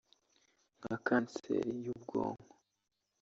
nka kanseri y’ubwonko